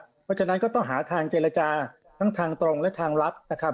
เพราะฉะนั้นก็ต้องหาทางเจรจาทั้งทางตรงและทางลับนะครับ